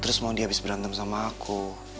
terus mau dihabis berantem sama aku